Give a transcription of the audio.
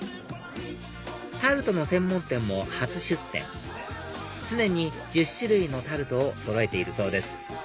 タルトの専門店も初出店常に１０種類のタルトをそろえているそうです